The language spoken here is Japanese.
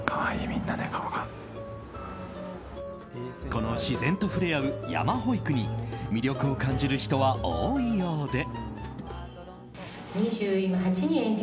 この自然と触れ合うやまほいくに魅力を感じる人は多いようで。